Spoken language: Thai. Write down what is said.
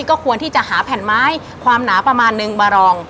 ก็ควรที่จะหาแผ่นไม้ความหนาประมาณนึงมารอง